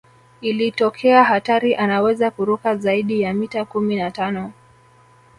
Ikitokea hatari anaweza kuruka zaidi ya mita kumi na tano